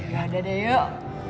gak ada deh yuk